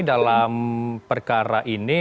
dalam perkara ini